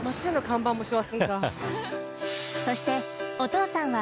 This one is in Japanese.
そしてお父さんは